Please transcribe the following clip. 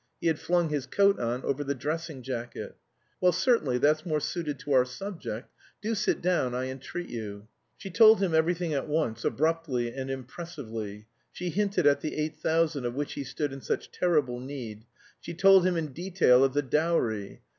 (He had flung his coat on over the dressing jacket.) "Well, certainly that's more suited to our subject. Do sit down, I entreat you." She told him everything at once, abruptly and impressively. She hinted at the eight thousand of which he stood in such terrible need. She told him in detail of the dowry.